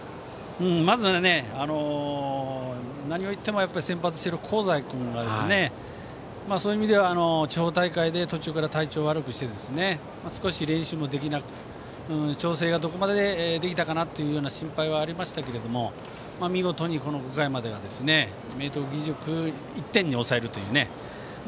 まずは何を言っても先発している香西君がそういう意味では、地方大会で途中から体調を悪くして練習もできなくて調整がどこまでできたかなという心配はありましたけども見事に５回まで明徳義塾を１点に抑えるというね。